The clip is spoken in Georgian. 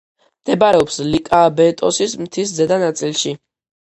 მდებარეობს ლიკაბეტოსის მთის ზედა ნაწილში.